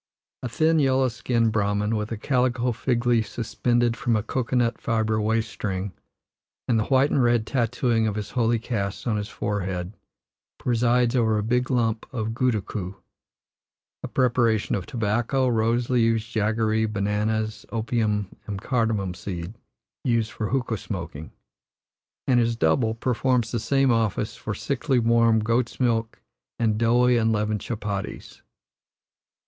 A thin, yellow skinned Brahman, with a calico fig leaf suspended from a cocoa nut fibre waist string, and the white and red tattooing of his holy caste on his forehead, presides over a big lump of goodakoo (a preparation of tobacco, rose leaves, jaggeree, bananas, opium, and cardamom seed, used for hookah smoking), and his double performs the same office for sickly, warm goats' milk and doughy, unleavened chup patties.